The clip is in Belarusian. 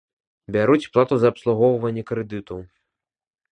Бяруць плату за абслугоўванне крэдыту.